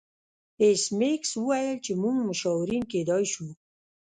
ایس میکس وویل چې موږ مشاورین کیدای شو